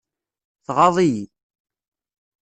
Tɣaḍ-iyi.